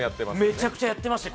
めちゃくちゃやってましたね